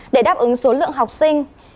để đáp ứng số lượng học sinh